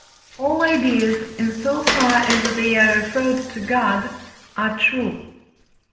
All ideas, in so far as they are referred to God, are true (II.